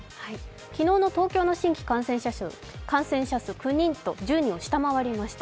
昨日の東京の新規感染者数９人と１０人を下回りました。